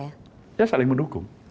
ya saling mendukung